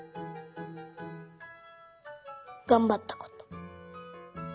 がんばったこと。